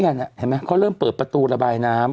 กรมป้องกันแล้วก็บรรเทาสาธารณภัยนะคะ